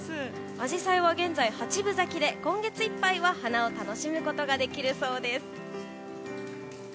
アジサイは現在八分咲きで今月いっぱいは花を楽しむことができるそうです。